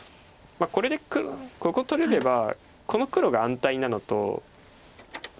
これでここ取れればこの黒が安泰なのと。